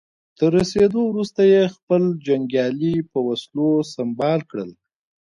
تر رسېدو وروسته يې خپل جنګيالي په وسلو سمبال کړل.